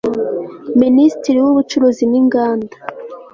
Minisitiri w Ubucuruzi n Inganda